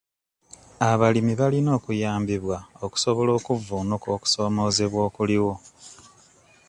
Abalimi balina okuyambibwa okusobola okuvvuunuka okusoomoozebwa okuliwo.